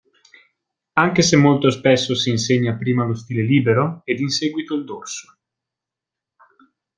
Anche se molto spesso si insegna prima lo stile libero ed in seguito il dorso.